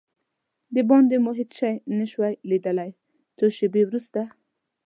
دباندې مو هېڅ شی نه شوای لیدلای، څو شېبې وروسته.